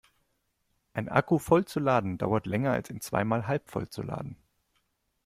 Einen Akku voll zu laden dauert länger als ihn zweimal halbvoll zu laden.